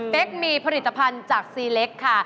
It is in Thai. มีผลิตภัณฑ์จากซีเล็กค่ะ